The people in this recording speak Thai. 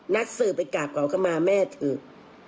นัดสื่อไปกราบขอขมาแม่เธอเลย